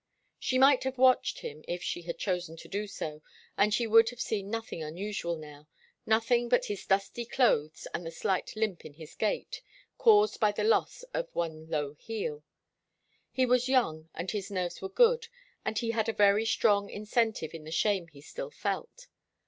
She might have watched him, if she had chosen to do so, and she would have seen nothing unusual now nothing but his dusty clothes and the slight limp in his gait, caused by the loss of one low heel. He was young, and his nerves were good, and he had a very strong incentive in the shame he still felt.